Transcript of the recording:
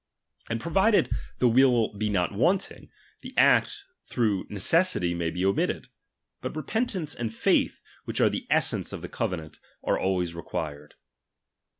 And provided the will be not wanting, the act through necessity may be omitted ; but repentance and faith, which are of the essence of the covenant, are always required.